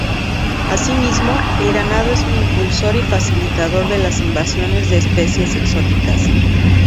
Asimismo, el ganado es un impulsor y facilitador de las invasiones de especies exóticas.